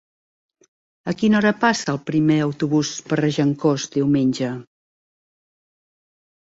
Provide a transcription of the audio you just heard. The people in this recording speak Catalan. A quina hora passa el primer autobús per Regencós diumenge?